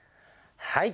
はい。